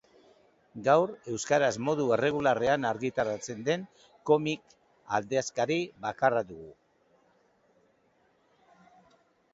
Gaur euskaraz modu erregularrean argitaratzen den komiki-aldizkari bakarra dugu.